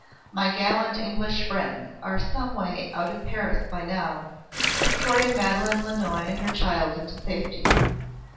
My gallant English friends are some way out of Paris by now, escorting Madeleine Lannoy and her child into safety.